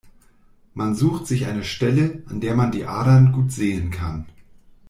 Man sucht sich eine Stelle, an der man die Adern gut sehen kann.